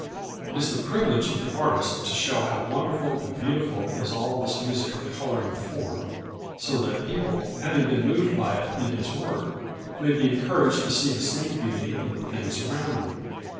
It is the privilege of the artist to show how wonderful and beautiful is all this music of colour and form, so that people, having been moved by it in his work, may be encouraged to see the same beauty in the things around them.